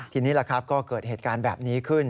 ทีนี้ก็เกิดเหตุการณ์แบบนี้ขึ้น